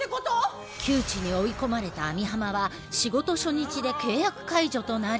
窮地に追い込まれた網浜は仕事初日で契約解除となり。